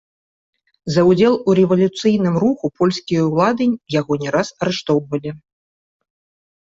За ўдзел у рэвалюцыйным руху польскія ўлады яго не раз арыштоўвалі.